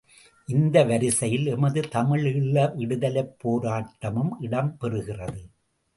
இந்த வரிசையில் எமது தமிழீழ விடுதலைப் போராட்டமும் இடம் பெறுகிறது.